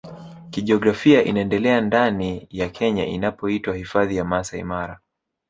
kijiografia inaendelea ndani ya Kenya inapoitwa hifadhi ya Masai Mara